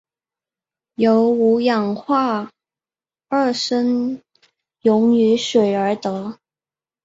由五氧化二砷溶于水而得。